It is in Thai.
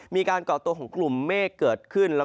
ก่อตัวของกลุ่มเมฆเกิดขึ้น